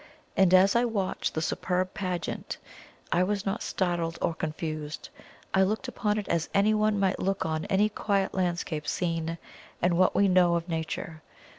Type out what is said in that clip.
And as I watched the superb pageant, I was not startled or confused I looked upon it as anyone might look on any quiet landscape scene in what we know of Nature.